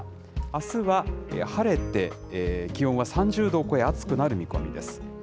あすは晴れて気温は３０度を超え、暑くなる見込みです。